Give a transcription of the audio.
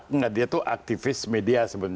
enggak dia tuh aktivis media sebenarnya